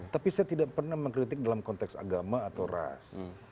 tapi saya tidak pernah mengkritik dalam konteks agama atau ras